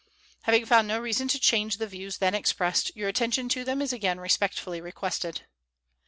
Having found no reason to change the views then expressed, your attention to them is again respectfully requested.